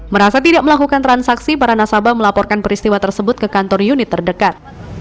merasa tidak melakukan transaksi para nasabah melaporkan peristiwa tersebut ke kantor unit terdekat